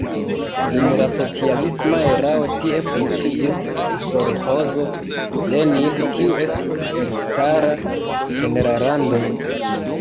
Dum la socialisma erao tie funkciis kolĥozo Lenin, kiu estis elstara en la lando.